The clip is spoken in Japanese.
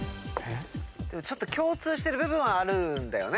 ちょっと共通してる部分はあるんだよね。